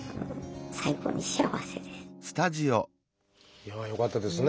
いやあよかったですね。